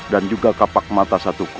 dan juga kapak mata satuku